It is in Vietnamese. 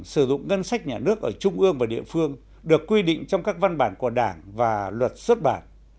sử dụng ngân sách nhà nước ở trung ương và địa phương được quy định trong các văn bản của đảng và luật xuất bản